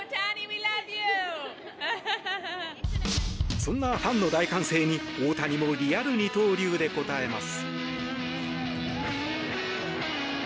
そんなファンの大歓声に大谷もリアル二刀流で応えます。